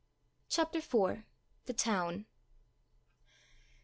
CHAPTER IV. THE TOWN.